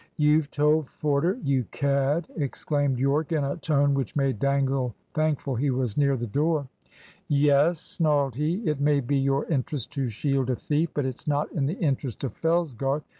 "You've told Forder? You cad!" exclaimed Yorke, in a tone which made Dangle thankful he was near the door. "Yes," snarled he. "It may be your interest to shield a thief, but it's not in the interest of Fellsgarth.